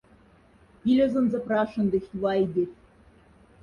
Пилезонза прашендыхть вайгяльхть.